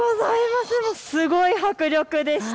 すごい迫力でした。